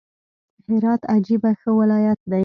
هرات عجبه ښه ولايت دئ!